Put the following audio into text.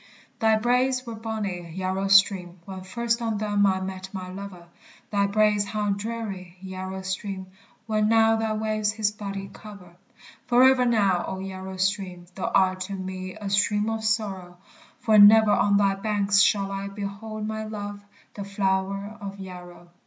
Thy braes were bonny, Yarrow stream! When first on them I met my lover; Thy braes how dreary, Yarrow stream! When now thy waves his body cover. Forever now, O Yarrow stream! Thou art to me a stream of sorrow; For never on thy banks shall I Behold my love, the flower of Yarrow.